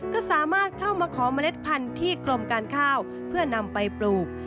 ก็สามารถเข้ามาขอเมล็ดพันธุ์ที่กรมการข้าวเพื่อนำไปปลูก